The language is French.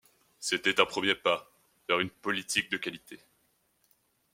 C'était un premier pas vers une politique de qualité.